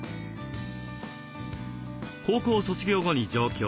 高校卒業後に上京。